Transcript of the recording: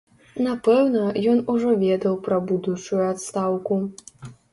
Напэўна, ён ужо ведаў пра будучую адстаўку.